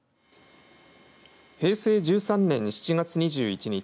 平成１３年７月２１日